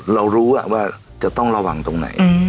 เรารู้ว่าจะต้องระวังตรงไหน